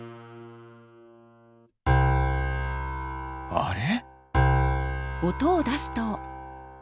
あれ？